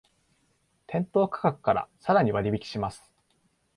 店頭価格からさらに割引します